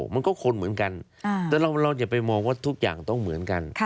มันก็คนเหมือนกันแต่เราอย่าไปมองว่าทุกอย่างต้องเหมือนกัน